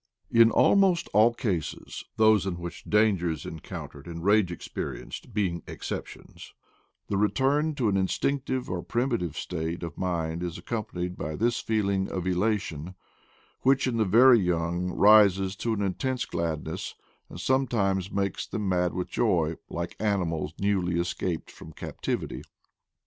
' In almost all cases — those in which danger is en countered and rage experienced being exceptions — the return to an instinctive or primitive state of mind is accompanied by this feeling of elation, which, in the very young, rises to an intense glad ness, and sometimes makes them mad with joy, like animals newly escaped from captivity.